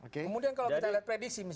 kemudian kalau kita lihat prediksi